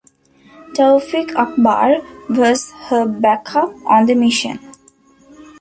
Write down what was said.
Taufik Akbar was her backup on the mission.